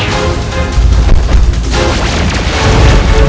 jangan lupa untuk berlangganan